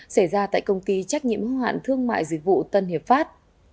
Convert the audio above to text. xảy ra tại công ty trách nhiệm hóa hạn thương mại dịch vụ tân hiệp pháp